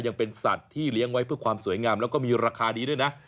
ยังเป็นสัตว์ที่เลี้ยงไว้เพื่อความสวยงามแล้วก็มีราคาดีด้วยนะ